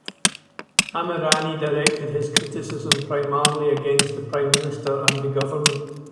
Amirani directed his criticism primarily against the prime minister and the government.